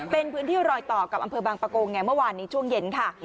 เป็นพื้นที่รอยต่อกับอำเภอบางปะโกงไงเมื่อวานนี้ช่วงเย็นค่ะ